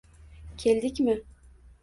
Keldikmi